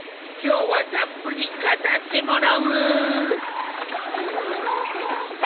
今日はたっぷり語ってもらう。